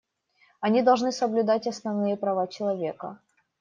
Они должны соблюдать основные права человека.